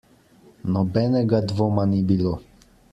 Nobenega dvoma ni bilo.